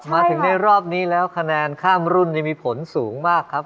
มาถึงในรอบนี้แล้วคะแนนข้ามรุ่นนี่มีผลสูงมากครับ